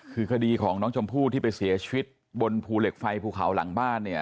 คือคดีของน้องชมพู่ที่ไปเสียชีวิตบนภูเหล็กไฟภูเขาหลังบ้านเนี่ย